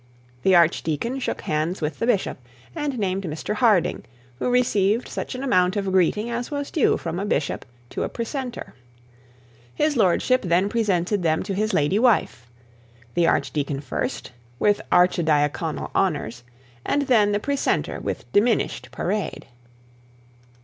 The archdeacon shook hands with the bishop and named Mr Harding, who received such an amount of greeting as was due from a bishop to a precentor. His lordship then presented them to his lady wife; the archdeacon first, with archidiaconal honours, and then the precentor with diminished parade.